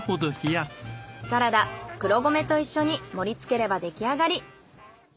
サラダ黒米と一緒に盛りつければ出来上がり。